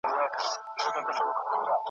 رنګېنې بڼي یې لمر ته ځلېدلې ,